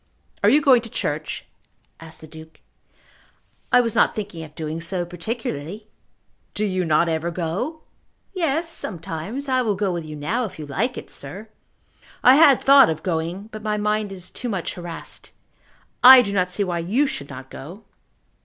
"Are you going to church?" asked the Duke. "I was not thinking of doing so particularly." "Do you not ever go?" "Yes; sometimes. I will go with you now, if you like it, sir." "I had thought of going, but my mind is too much harassed. I do not see why you should not go."